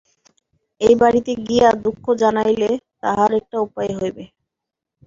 এই বাড়িতে গিয়া দুঃখ জানাইলে তাহার একটা উপায় হইবে।